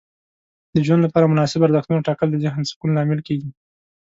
د ژوند لپاره مناسب ارزښتونه ټاکل د ذهن سکون لامل کیږي.